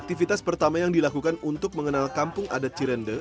aktivitas pertama yang dilakukan untuk mengenal kampung adat cirende